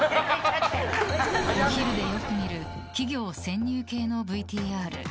お昼でよく見る企業潜入系のＶＴＲ。